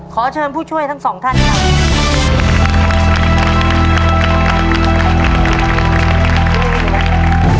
ขอเชิญผู้ช่วยทั้งสองท่านครับ